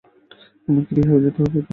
তোমাকে রিহ্যাবে যেতে হবে, হুইপ।